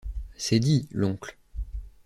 C’est dit, l’oncle.